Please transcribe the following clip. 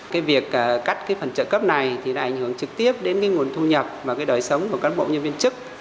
cái việc cắt cái phần trợ cấp này thì đã ảnh hưởng trực tiếp đến cái nguồn thu nhập và cái đời sống của cán bộ nhân viên chức